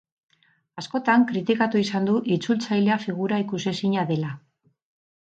Askotan kritikatu izan du itzultzailea figura ikusezina dela.